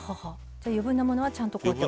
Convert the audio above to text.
余分なものはちゃんと落として。